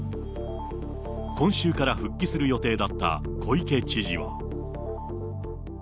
今週から復帰する予定だった小池知事は。